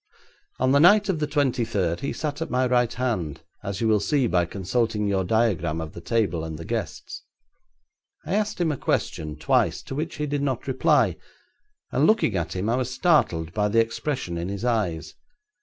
On the night of the twenty third he sat at my right hand, as you will see by consulting your diagram of the table and the guests. I asked him a question twice, to which he did not reply, and looking at him I was startled by the expression in his eyes.